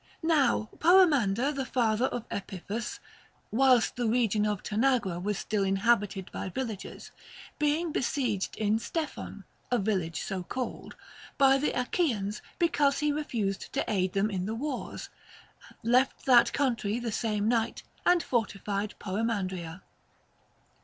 Now Poemander the father of Ephippus (whilst the region of Tanagra was still inhabited by villa gers), being besieged in Stephon (a village so called) by the Achaeans because he refused to aid them in the wars, left that country the same night, and fortified Poemandria.